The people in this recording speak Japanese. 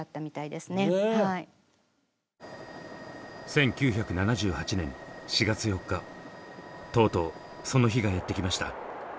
１９７８年４月４日とうとうその日がやって来ました。